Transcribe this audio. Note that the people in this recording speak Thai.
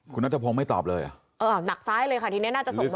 คุณนัทพงศ์ไม่ตอบเลยอ่ะเออหนักซ้ายเลยค่ะทีนี้น่าจะส่งผล